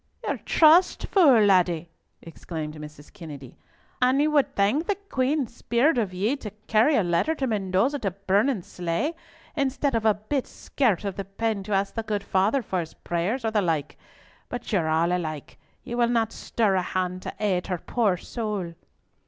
"Your trust, fule laddie!" exclaimed Mrs. Kennedy. "Ane wad think the Queen speired of ye to carry a letter to Mendoza to burn and slay, instead of a bit scart of the pen to ask the good father for his prayers, or the like! But you are all alike; ye will not stir a hand to aid her poor soul."